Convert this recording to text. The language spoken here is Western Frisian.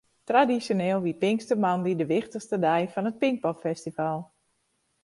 Tradisjoneel wie pinkstermoandei de wichtichste dei fan it Pinkpopfestival.